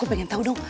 gue pengen tau dong